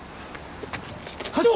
課長！